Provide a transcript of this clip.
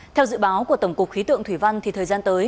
theo dự báo của tổng cục khí tượng thủy văn thì thời gian tới